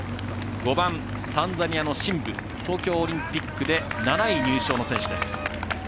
５番、タンザニアのシンブ東京オリンピックで７位入賞の選手です。